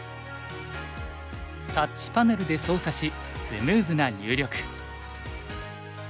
タッチパネルで操作しスムーズな入力。